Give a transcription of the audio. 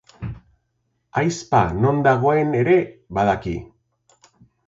Ahizpa non dagoen ere badaki.